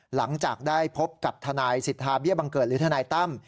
หลังจากได้พบกับทนายสิทธาเบี้ยบังเกิดหรือทนายตั้ม